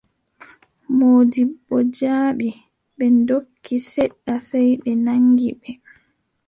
Moodibbo jaɓi, ɓe ndokki, seɗɗa sey ɓe naŋgi ɓe.